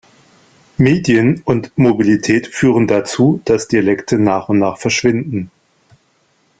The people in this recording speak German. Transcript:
Medien und Mobilität führen dazu, dass Dialekte nach und nach verschwinden.